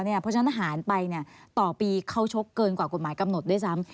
เพราะฉะนั้นหารไปต่อปีเขาชกเกินกว่ากฎหมายกำหนดด้วยซ้ำ